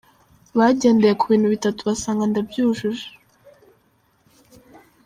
Bagendeye ku bintu bitatu basanga ndabyujuje.